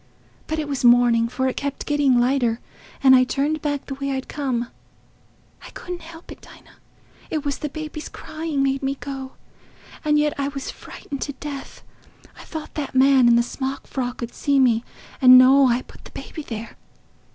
But it was morning, for it kept getting lighter, and I turned back the way I'd come. I couldn't help it, Dinah; it was the baby's crying made me go—and yet I was frightened to death. I thought that man in the smock frock 'ud see me and know I put the baby there.